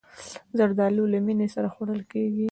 زردالو له مینې سره خوړل کېږي.